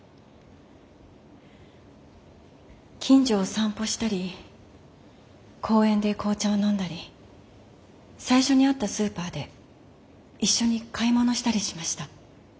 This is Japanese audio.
近所を散歩したり公園で紅茶を飲んだり最初に会ったスーパーで一緒に買い物したりしました。